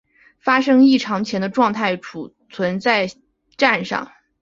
发生异常前的状态存储在栈上。